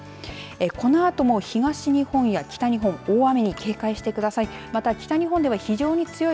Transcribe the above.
このあとも東日本や北日本大雨に警戒してください。